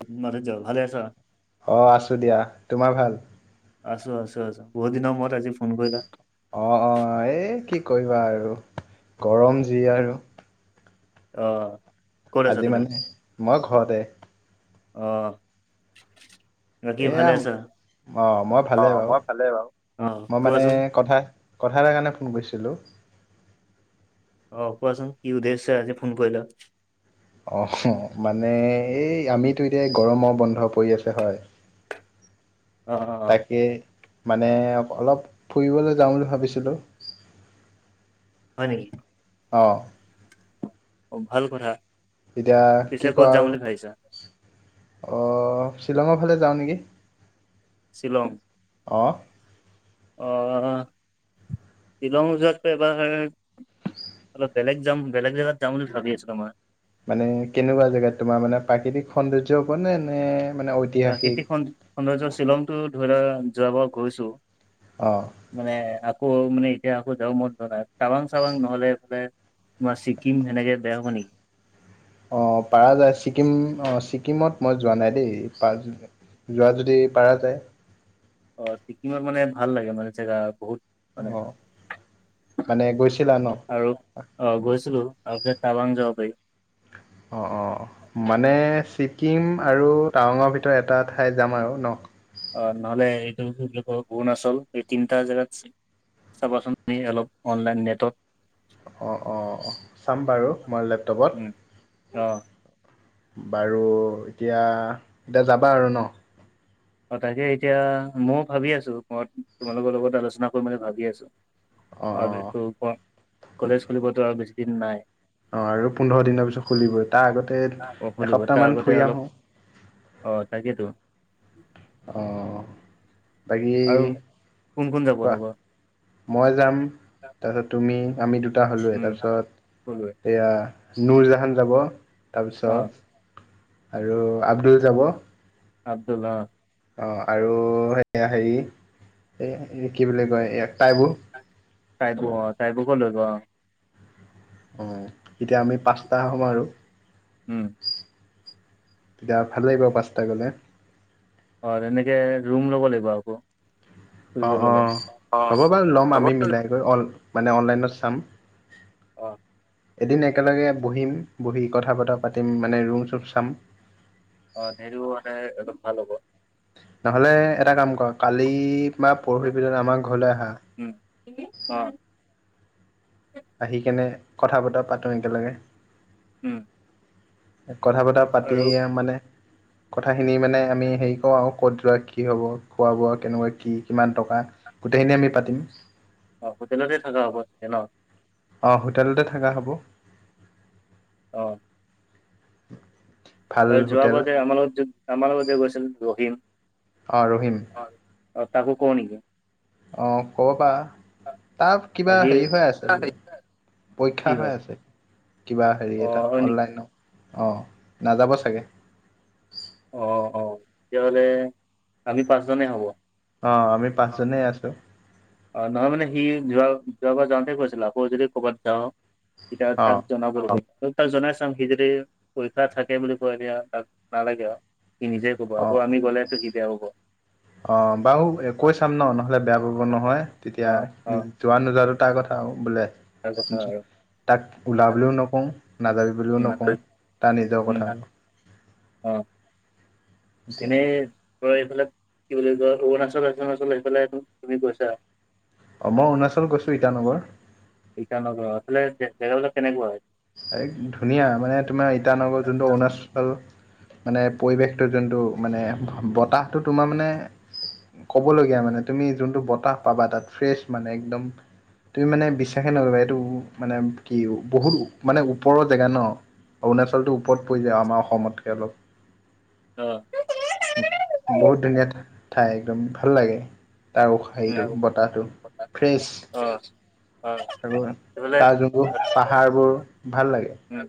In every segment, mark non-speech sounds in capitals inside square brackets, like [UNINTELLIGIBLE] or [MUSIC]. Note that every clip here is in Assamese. [UNINTELLIGIBLE] ভালে আছা? অ, আছো দিয়া। তোমাৰ ভাল? আছো আছো আছো। বহুত দিনৰ মুৰত আজি ফোন কৰিলা? অ, এই কি কৰিবা আৰু গৰম যি আৰু। অ। আজি মানে মই ঘৰতে। অ। এয়া অ, মই অ ভালেই বাৱ। মই ভালে বাৰু। অ মই মানে কোৱাচোন কথা কথা এটাৰ কাৰণে ফোন কৰিছিলোঁ। অ, কোৱাচোন? কি উদ্দেশ্য আজি ফোন কৰিলা? অ, মানে এই আমিতো এতিয়া গৰম বন্ধ পৰি আছে হয়। অ অ অ তাকে মানে অলপ ফুৰিবলৈ যাওঁ বুলি ভাবিছিলোঁ। হয় নেকি? অঁ। অ, ভাল কথা। এতিয়া পিছে কি ক'ত কয় যাম আৰু বুলি ভাবিছা? অ, শ্বিলঙ ফালে যাওঁ নেকি? শ্বিলং। অঁ। অ, শ্বিলং যোৱাতকে এবাৰ অলপ বেলেগ যাম বেলেগ জেগাত যাম বুলি ভাবি আছিলো মই। মানে কেনেকুৱা জেগাত? তোমাৰ মানে প্ৰাকৃতিক সৌন্দৰ্য হব নে, নে? মানে ঐতিহাসিক প্ৰাকৃতিক সৌ সৌন্দৰ্য শ্বিলংটো ধৰি লোৱা যোৱাবাৰ গৈছো। অঁ। মানে আকৌ মানে এতিয়া আকৌ [UNINTELLIGIBLE] নাই টাবাং চাবাং নহ'লে ইফালে তোমাৰ ছিক্কিম তেনেকে বেয়া হব নেকি। অ', পাৰা যায় ছিকিম অ', ছিকিমত মই যোৱা নাই দেই প যোৱা যদি পাৰা যায়। অ', ছিকিমৰ মানে ভাল লাগে মানে জেগা বহুত। মানে অ মানে গৈছিলা ন আৰু। অ', গৈছিলোঁ আপ টাৱাং যাব পাৰি। অ', অ', মানে ছিকিম আৰু টাৱাংৰ ভিতৰত এটা ঠাইত যাম আৰু ন। অ', নহলে এইটো য বুলি ক অৰুণাচল এই তিনটা জেগাত চাবাচোন আমি অলপ অনলাইন নেটত অ', অ', অ', চাম বাৰু মই লেপটপত উম, অ', বাৰু এতিয়া এতিয়া যাবা আৰু ন। অ', তাকে এতিয়া ময়ো ভাবি আছোঁ মই তোমালোকৰ লগত আলোচনা কৰি মানে ভাবি আছোঁ। অ', বেতু ক কলেজ খুলিবতো আৰু বেছি দিন নাই। অ', আৰু পোন্ধৰ দিনৰ পিছত খুলিবই তাৰ আগতে অ', খুলিব এসপ্তাহ তাৰ মান আগতে ফুৰি অলপ আহোঁ। অ', তাকেতো অ', বাকী আৰু কোন কোন যাব কোৱা লগত? মই যাম তাৰপিছত তুমি আমি দুটা হ'লোৱে উম তাৰপিছত কলোৱে এয়া নুৰজাহান যাব অ তাৰপিছত আৰু আব্দুল যাব। আব্দুল হক অ', আৰু সেয়া হেৰি এই কি বুলি কয় এই আটাইবোৰ টাইবোৰ অ', টাইবোৰ ক'ত লৈ গ'ল অ', এতিয়া আমি পাঁচটা হম আৰু উম তেতিয়া ভালেই বাৰু পাঁচটা গ'লে। হয় তেনেকে ৰুম ল'ব লাগিব আকৌ ফুৰিব অ', গ'লে অ', অ হ'ব বাৰু ল'ম হ'ব আমি বাৰু। মিলাই গৈ মানে অনলাইনত চাম। অহ। এদিন একেলগে বহিম বহি কথা বতৰা পাতিম মানে ৰুম চুম চাম। অ', ধেৰিও মানে একদম ভাল হ'ব। নহ'লে এটা কাম কৰ কালি বা পৰহি ভিতৰত আমাৰ ঘৰলৈ আহা। উম, অ'। আহি কেনে কথা বতৰা পাতো একেলগে। উম। কথা বতৰা পাতি আৰু মানে। কথাখিনি মানে আমি হেৰি কৰো আৰু ক'ত যোৱা কি হ'ব খোৱা বোৱা কেনেকুৱা কি কিমান টকা। গোটেইখিনিয়ি আমি পাতিম। অ', হোটেলতে থকা হ'ব চাগে ন। অ', হোটেলতে থাকা হ'ব। অ'। ভাল ত হোটেল যোৱাবাৰ যে আমাৰ লগত আমাৰ লগতে যে গৈছিল ৰহিম অ', ৰহিম অ', অ', তাকো ক নেকি কি। অ', ক'ব পাৰা তাৰ অ কিবা সি হেৰি হৈ আছে বোলে। কি পৰীক্ষা হয় হৈ আছে কিবা হেৰি অ এটা হয় নেকি অনলাইন। অ', নাযাব চাগে। অ অঁ তেতিয়াহ'লে আমি পাঁচজনে হ'ব অ আমি অ পাঁচজনে আছো অ নহয় মানে সি যোৱা যোৱাবাৰ যাওঁতে কৈছিলে আকৌ যদি ক'ৰবাত যাওঁ এতি অ তাক জনাব তাক জনাই চাম সি যদি পৰীক্ষা থাকে বুলি কয় এয়া তাক নালাগে আৰু সি নিজে হ'ব অ আকৌ আমি গলেতো কেতিয়া হ'ব অ বাও কৈ চাম ন নহ'লে বেয়া পাব নহয় তেতিয়া অ অ যোৱা নোযোৱা তাৰ কথা বোলে তাৰ কথা আৰু তাক উলা বুলিও নকওঁ নাযাবি বুলিও নকওঁ তাৰ নিজৰ উম, কথা আৰু অ এতিয়া এনেই তই এইফালে কি বুলি কয় অৰুণাচল অৰুণাচল এইফালে তুমি গৈছা অ মই অৰুণাচল গৈছো ইটানগৰ ইটানগৰত সেইফালে জেগাবিলাক কেনেকুৱা হয় আৰে ধুনীয়া মানে তোমাৰ ইটানগৰ যোনটো অৰুণাচল আৰু মানে পৰিৱেশটো যোনটো মানে বতাহটো তোমাৰ মানে ক'বলগীয়া মানে তুমি যোনটো বতাহ পাবা তাত ফ্ৰেছ মানে একদম তুমি মানে বিশ্বাসেই নকৰিবা এইটো মানে কি বহুত মানে ওপৰৰ জেগা ন অৰুণাচলটো ওপৰত পৰি যায় আমাৰ অসমতকৈ অলপ অ বহুত ধুনীয়া ঠাই একদম ভাল লাগে তাৰ হেৰিটো অ বতাহটো ফ্ৰেছ অ অ আৰু সেইফালে তাৰ যোনবোৰ পাহাৰ বোৰ ভাল লাগে ওম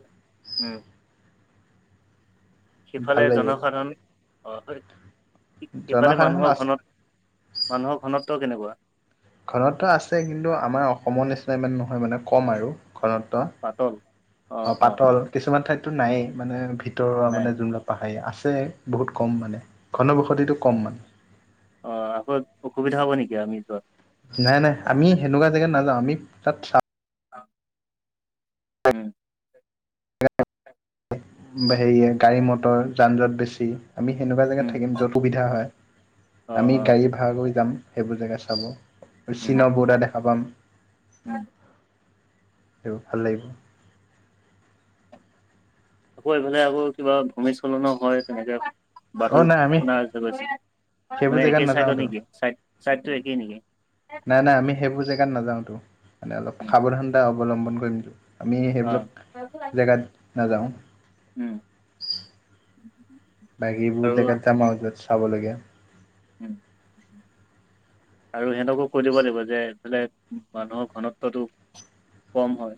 ওম ভাল সিফালে লাগিব জনসাধাৰণ আহ সেইফালে জনসাধাৰণ আ মানুহৰ ঘনত মানুহৰ ঘনত্ব কেনেকুৱা ঘনত্ব আছে কিন্তু আমাৰ অসমৰ নিচিনা ইমান নহয় মানে কম আৰু ঘনত্ব পাতল অ পাতল কিছুমান ঠাইতো নায়েই মানে ভিতৰুৱ নাই মানে যোনবিলাক আছে বহুত কম মানে ঘনবসতিটো কম মানে অ আকৌ অসুবিধা হব নেকি আমি যত নাই নাই আমি সেনেকুৱা জেগাত নাযাও আমি তাত চা উম হেৰিয় গাড়ী মটৰ যান জঁট বেছি আমি সেনেকুৱা জেগাত উম থাকিম য'ত সুবিধা হয় অ আমি অ গাড়ী ভাড়া লৈ যাম সেইবোৰ জেগা চাব আৰু উম চীনৰ ব'ৰ্ডাৰ দেখা পাম উম সেইবোৰ ভাল লাগিব আকৌ এইফালে আকৌ কিবা ভূমিস্ত্ৰলনো হয় তেনেকে অ বাতৰিত নাই আমি শুনা পাইছোঁ সেইবোৰ মানে জেগাত একে চাইডৰ নাযাওঁতো নেকি চাইদ চাইডতটো একেই নেকি নাই নাই আমি সেইবোৰ জেগাত নাযাওঁতো মানে অলপ উম সাৱধানতা অৱলম্বন কৰিমতো আমি অ সেইবিলাক জেগাত নাযাওঁ উম বাকীবোৰ আৰু জেগাত যাম আও যত চাবলগীয়া উম আৰু সিহতকো কৈ দিব লাগিব যে এইফালে মানুহৰ ঘনত্বটো কম হয়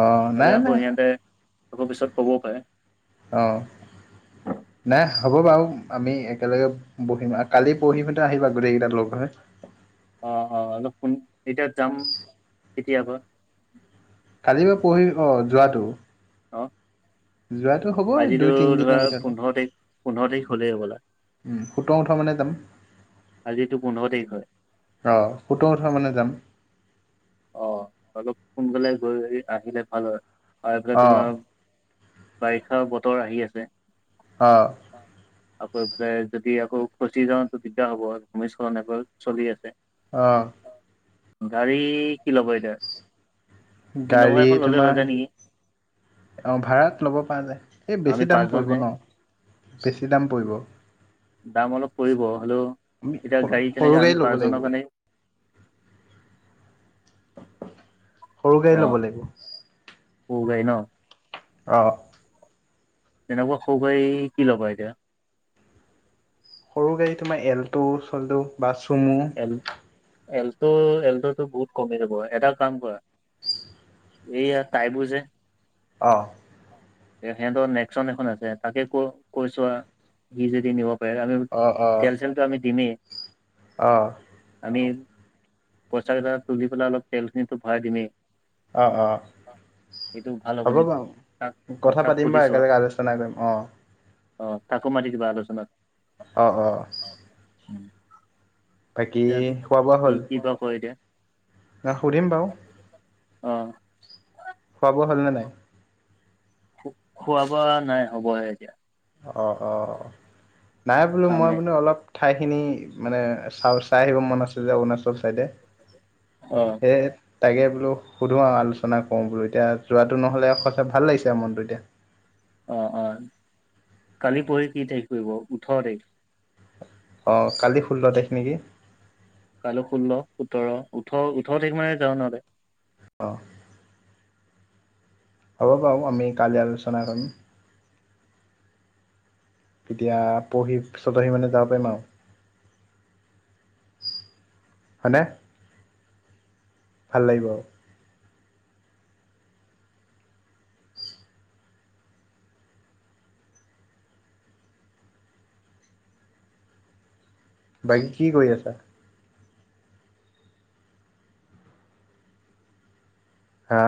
অ নাই নাই আকৌ সিহঁতে আকৌ পিছত ক'বও পাৰে অ দেহ হ'ব বাৰু আমি একেলগে বহিম। আৰু কালি পৰহিসতে আহিবা গোটেই কেইটা লগ হৈ অ অ অলপ কোন এতিয়া যাম কেতিয়াবা কালিৰ বা পৰহি অ যোৱাতটো আহ। যোৱাটো হ'ব দুই তিনিদিনৰ ভিতৰতে। পোন্ধৰ তাৰিখ পোন্ধৰ তাৰিখ হ'লেই হ'বলা উম সোতৰ উঠৰ মানে যাম। আজিতো পোন্ধৰ তাৰিখ হয়, অঁ সোতৰ ওঠৰ মানে যাম। অ অলপ সোনকালে গৈ আহিলে ভাল হয়, আৰু এইফালে অ তোমাৰ বাৰিষা বতৰ আহি আছে। অ। আকৌ এইফালে যদি আকৌ খচি যাওঁতো দিগদাৰ হ'ব ভূমিস্খলন এইবাৰ চলি আছে। অ। গাড়ী কি ল'ব এতিয়া? ইন'ভা গাড়ী এখন ল'লে তোমাৰ হৈ যায় নেকি অ ভাড়াত ল'ব পৰা যায়, এই আমি বেছি দাম পৰিব পাঁচজনহে ন, বেছি দাম পৰিব। দাম অলপ পৰিব হ'লেও, আমি এতিয়া গাড়ী সৰু তেনেকে গাড়ী আমি ল'ব লাগিব পাঁচজনৰ কাৰণে সৰু গাড়ী অ ল'ব লাগিব। সৰু গাড়ী ন? অ। তেনেকুৱা সৰু গাড়ী কি ল'বা এতিয়া? সৰু গাড়ী তোমাৰ এলটো-চেলটো বা চুমু এলটো এলটোটো বহুত কমি যাব এটা কাম কৰা এইয়া তাইবোৰ যে অ। সিহঁতৰ নেকচন এখন আছে, তাকে ক কৈ চোৱা সি যদি নিব আমি অঁ তেল-চেলতটো আমি দিমেই অ। আমি পইচা কেইটা এটা তুলি পেলাই অলপ তেল খিনিটো ভৰাই দিমেই। অ অ। সেইটো ভাল হ'ব নেকি তাক বাৰু অ কথা তাক পাতিম সুধি বাৰু চোৱা একেলগে আলোচনা কৰিম অ। অ তাকো মাতি দিবা আলোচনাত। অ অ। বাকী খোৱা বোৱা সি হ'ল কি বা কয় এতিয়া, ন সুধিম বাৰু অ খোৱা-বোৱা হ'ল নে নাই? খোৱা-বোৱা নাই হ'বহে এতিয়া। অ অ নাই বোলো কাম মই নাই মানে অলপ ঠাইখিনি মানে চা-চাই আহিব মন আছে যে অৰুণাচল চাইদে। অ। তাকে বোলো সুধো আৰু আলোচনা কৰো বোলো এতিয়া যোৱাটো নহ'লে ভাল লাগিছে মনতো এতিয়া। অ অ কালি পৰহি কি তাৰিখ পৰিব? ওঠৰ তাৰিখ অ কালি ষোল্ল তাৰিখ নেকি। কাইলৈ ষোল্ল, সোতৰ, ওঠৰ ওঠৰ তাৰিখ মানে যাওঁ নহ'লে। অ। হ'ব বাৰু আমি কালি আলোচনা কৰিম। তেতিয়া পঢ়ি পিছত আহি মানে জাব মাৰিম আও। হয়নে ভাল লাগিব। বাকী কি কৰি আছা। হা।